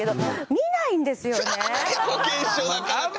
見ないですかね？